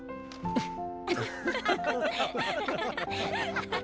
フッ。